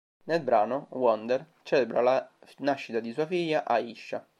Nel brano Wonder celebra la nascita di sua figlia Aisha.